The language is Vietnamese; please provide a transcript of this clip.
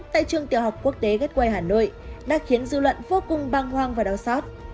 tại trường tiểu học quốc tế gateway hà nội đã khiến dư luận vô cùng băng hoàng và đau xót